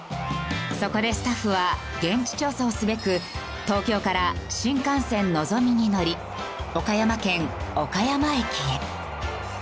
そこでスタッフは現地調査をすべく東京から新幹線のぞみに乗り岡山県岡山駅へ。